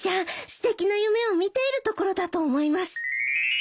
すてきな夢を見ているところだと思います。